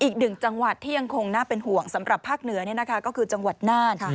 อีกหนึ่งจังหวัดที่ยังคงน่าเป็นห่วงสำหรับภาคเหนือก็คือจังหวัดน่าน